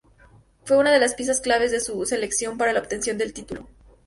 Fue una de las piezas claves de su selección para la obtención del título.